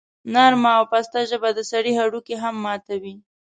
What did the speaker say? نرمه او پسته ژبه د سړي هډوکي هم ماتوي.